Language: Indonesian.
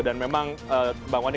dan memang bang wandi